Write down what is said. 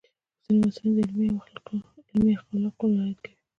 ځینې محصلین د علمي اخلاقو رعایت کوي.